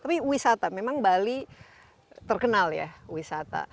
tapi wisata memang bali terkenal ya wisata